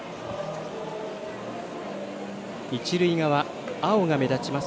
一塁側、青が目立ちます